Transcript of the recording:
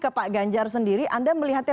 ke pak ganjar sendiri anda melihatnya